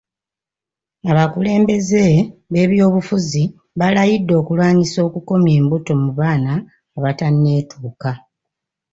Abakulembeze b'ebyobufuzi balayidde okulwanyisa okukomya embuto mu baana abatanneetuuka.